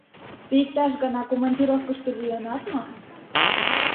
Тый иктаж гана командировкышто лийынат мо?